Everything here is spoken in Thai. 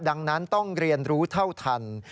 ดังนั้นต้องเรียนรู้เท่าทัน